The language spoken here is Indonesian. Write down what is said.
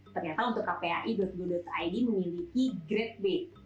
ternyata untuk kpai go id memiliki grade b